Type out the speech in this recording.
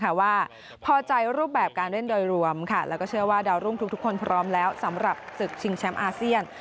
เพราะว่าพอใจรูปแบบการเล่นโดยรวมแล้วก็เชื่อว่าดาวรุ่งทุกคนพร้อมแล้วสำหรับศึกชิงแชมป์อาเซียน